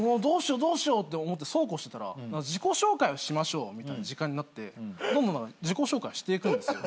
どうしよう？って思ってそうこうしてたら自己紹介をしましょうみたいな時間になってどんどん自己紹介していくんですよ。